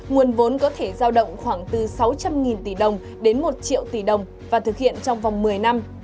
nguồn vốn có thể giao động khoảng từ sáu trăm linh tỷ đồng đến một triệu tỷ đồng và thực hiện trong vòng một mươi năm